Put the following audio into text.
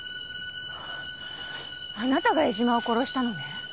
あなたが江島を殺したのね？